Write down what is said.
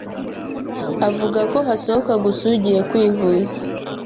avuga ko hasohoka gusa ugiye kwivuza,